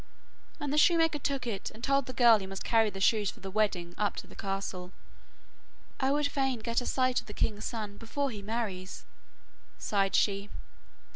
And the shoemaker took it and told the girl he must carry the shoes for the wedding up to the castle. 'I would fain get a sight of the king's son before he marries,' sighed she.